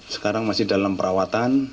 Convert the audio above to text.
sekarang masih dalam perawatan